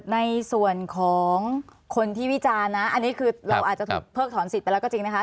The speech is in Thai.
ในส่วนของคนที่วิจารณ์นะอันนี้คือเราอาจจะถูกเพิกถอนสิทธิ์ไปแล้วก็จริงนะคะ